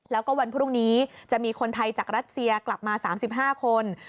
แล้วก็วันพรุ่งนี้จะมีคนไทยจากรัสเซียกลับมา๓๕คน